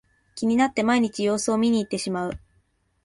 気になって毎日様子を見にいってしまう